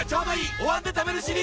「お椀で食べるシリーズ」